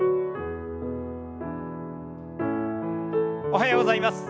おはようございます。